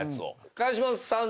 川島さん